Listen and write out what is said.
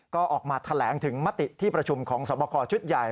ก็ออกมาแถลงถึงมติที่ประชุมของสวบคอชุดใหญ่